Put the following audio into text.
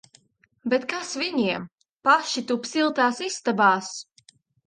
Bet kas viņiem! Paši tup siltās istabās!